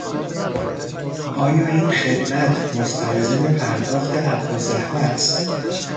آیا این خدمت مستلزم پرداخت حقالزحمه است؟